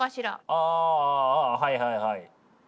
ああああはいはいはい。